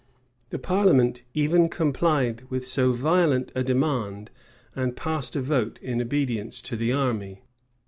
The parliament even complied with so violent a demand, and passed a vote in obedience to the army.